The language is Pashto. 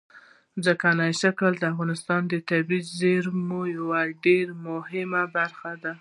ځمکنی شکل د افغانستان د طبیعي زیرمو یوه ډېره مهمه برخه ده.